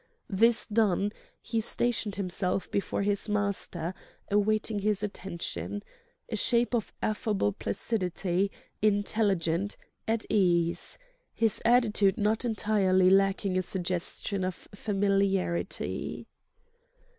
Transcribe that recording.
This done, he stationed himself before his master, awaiting his attention, a shape of affable placidity, intelligent, at ease; his attitude not entirely lacking a suggestion of familiarity.